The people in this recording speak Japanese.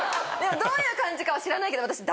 どういう感じかは知らないけど。